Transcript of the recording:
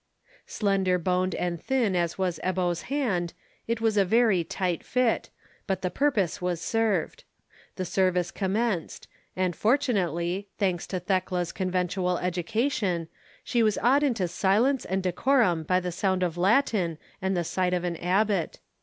Slender boned and thin as was Ebbo's hand, it was a very tight fit, but the purpose was served. The service commenced; and fortunately, thanks to Thekla's conventual education, she was awed into silence and decorum by the sound of Latin and the sight of an abbot.